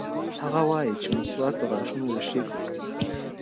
هغه وایي چې مسواک د غاښونو ریښې کلکوي.